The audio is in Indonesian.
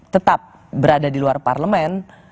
tetap berada di luar parlemen